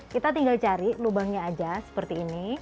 kita tinggal cari lubangnya aja seperti ini